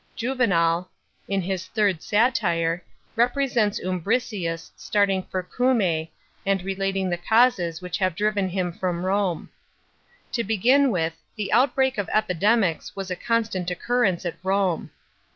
Juven ii, in his Third Satiie, represents Urabricius starting for Cumae and relating the causes which have driven him from Rome To begin with, the outbreak of epidemics was a constant occurrence at Rome.